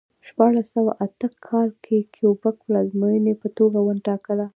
په شپاړس سوه اته کال کې کیوبک پلازمېنې په توګه وټاکله.